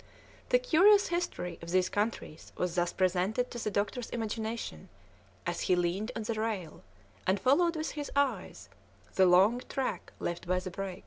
The curious history of these countries was thus presented to the doctor's imagination as he leaned on the rail, and followed with his eyes the long track left by the brig.